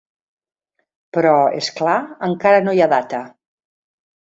Però, és clar, encara no hi ha data.